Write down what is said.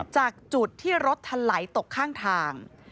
จากจุดที่รถทะไหลตกข้างทาง